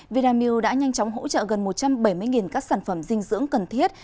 vinamilk đã nhanh chóng hỗ trợ gần một trăm bảy mươi các sản phẩm dinh dưỡng cần thiết